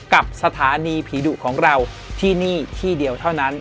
กับสถานีผีดุของเราที่นี่ที่เดียวเท่านั้น